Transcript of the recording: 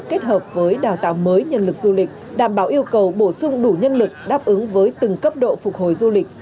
kết hợp với đào tạo mới nhân lực du lịch đảm bảo yêu cầu bổ sung đủ nhân lực đáp ứng với từng cấp độ phục hồi du lịch